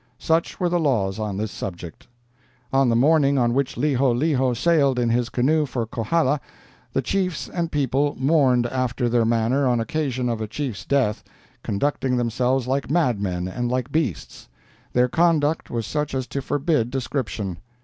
Such were the laws on this subject. "On the morning on which Liholiho sailed in his canoe for Kohala, the chiefs and people mourned after their manner on occasion of a chief's death, conducting themselves like madmen and like beasts. Their conduct was such as to forbid description.